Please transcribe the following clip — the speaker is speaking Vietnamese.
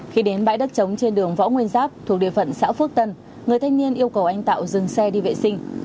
khi đến bãi đất trống trên đường võ nguyên giáp thuộc địa phận xã phước tân người thanh niên yêu cầu anh tạo dừng xe đi vệ sinh